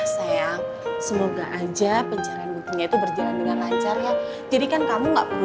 saja semoga aja penjaraan itu berjalan dengan lancar holiday kamu nggak perlu